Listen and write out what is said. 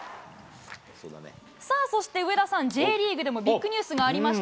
さあ、そして上田さん、Ｊリーグでもビッグニュースがありました。